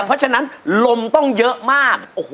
เพราะฉะนั้นลมต้องเยอะมาก